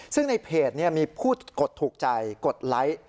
ซึ่งในเพจมีผู้กดถูกใจกดไลค์